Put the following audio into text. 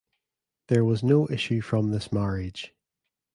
There was no issue from this marriage.